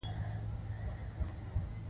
آیا موږ کالي صادرولی شو؟